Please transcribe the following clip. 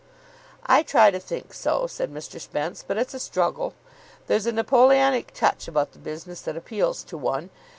"I try to think so," said Mr. Spence, "but it's a struggle. There's a Napoleonic touch about the business that appeals to one.